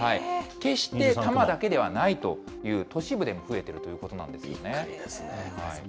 決して多摩だけではないという、都市部でも増えているということなんですよね。